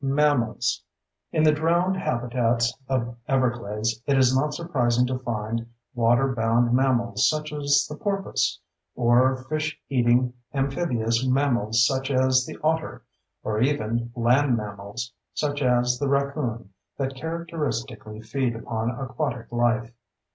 Mammals In the drowned habitats of Everglades it is not surprising to find water bound mammals such as the porpoise; or fish eating amphibious mammals such as the otter; or even land mammals, such as the raccoon, that characteristically feed upon aquatic life.